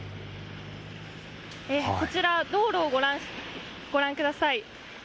こちら、道路をご覧ください。